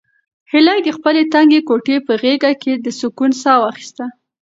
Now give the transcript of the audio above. هیلې د خپلې تنګې کوټې په غېږ کې د سکون ساه واخیسته.